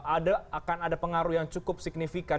ada akan ada pengaruh yang cukup signifikan